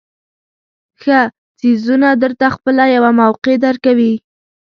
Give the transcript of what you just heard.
ښه څیزونه درته خپله یوه موقع درکوي.